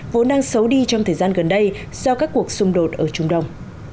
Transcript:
vốn đang xấu đi trong thời gian gần đây do các cuộc xung đột ở trung đông